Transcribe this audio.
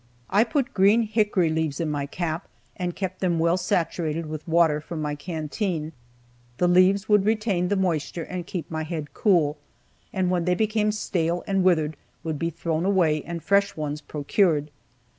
I put green hickory leaves in my cap, and kept them well saturated with water from my canteen. The leaves would retain the moisture and keep my head cool, and when they became stale and withered, would be thrown away, and fresh ones procured.